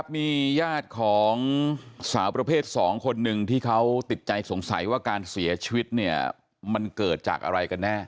มีญาติของสาวประเภท๒คนหนึ่งที่เขาติดใจสงสัยว่าการเสียชีวิตเนี่ยมันเกิดจากอะไรกันแน่